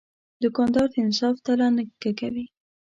دوکاندار د انصاف تله نه کږوي.